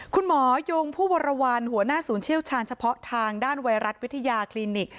คุณหมอยงผู้วรวรรณหัวหน้าศูนย์เชี่ยวชาญเฉพาะทางด้านไวรัสวิทยาคลินิก